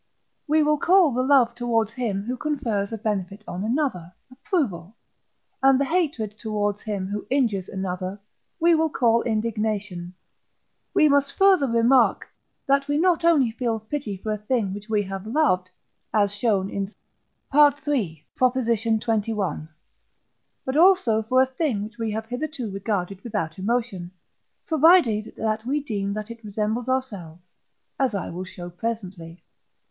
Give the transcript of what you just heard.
We will call the love towards him who confers a benefit on another, Approval; and the hatred towards him who injures another, we will call Indignation. We must further remark, that we not only feel pity for a thing which we have loved (as shown in III. xxi.), but also for a thing which we have hitherto regarded without emotion, provided that we deem that it resembles ourselves (as I will show presently).